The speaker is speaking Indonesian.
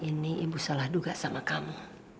ini ibu salah duga sama kamu